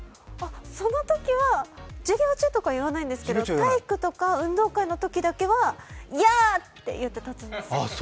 そのときは授業中とかは言わないんですけれども、体育とか運動会のときだけはヤー！って言って立つんです。